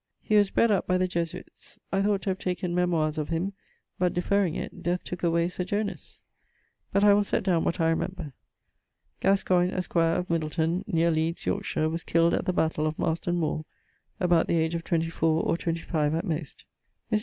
He was bred up by the Jesuites. I thought to have taken memoires of him; but deferring it, death took away Sir Jonas. But I will sett downe what I remember. ... Gascoigne, esq., of Middleton, neer Leeds, Yorkshire, was killed at the battaile of Marston moore, about the age of 24 or 25 at most. Mr.